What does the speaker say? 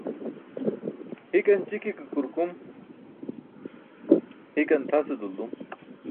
Hikan ći̇ki̇ ke kurkum, hikan tʰase duldum.